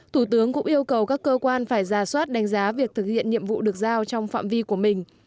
thủ tướng cũng yêu cầu các cơ quan phải ra soát đánh giá việc thực hiện nhiệm vụ được giao trong phạm vi của mình